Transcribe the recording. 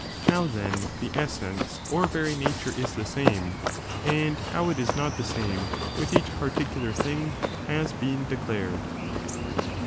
How, then, the essence or very nature is the same, and how it is not the same, with each particular thing, has been declared.